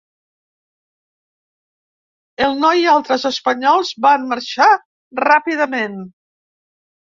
El noi i altres espanyols van marxar ràpidament.